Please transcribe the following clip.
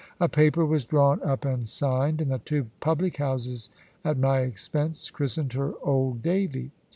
A paper was drawn up and signed; and the two public houses, at my expense, christened her "Old Davy."